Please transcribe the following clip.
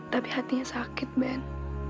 tapi hatinya sakit ben